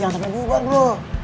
jangan sampai bubar bro